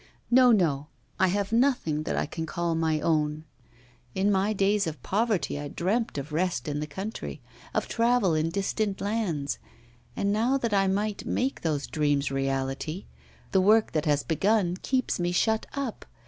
No, no! I have nothing that I can call my own. In my days of poverty I dreamt of rest in the country, of travel in distant lands; and now that I might make those dreams reality, the work that has been begun keeps me shut up.